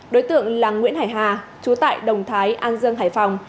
đối tượng là nguyễn hải hà chú tại đồng thái an dương hải phòng